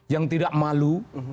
yang tidak malu